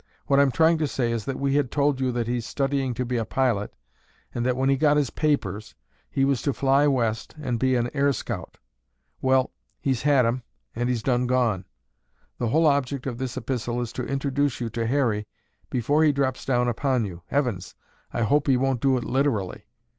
What I'm trying to say is that we had told you that he's studying to be a pilot and that when he got his papers, he was to fly West and be an air scout. Well, he's had 'em and he's done gone! The whole object of this epistle is to introduce you to Harry before he drops down upon you. Heavens, I hope he won't do it literally.